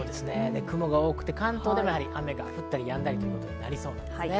雲が多くて関東でも雨が降ったりやんだりとなりそうです。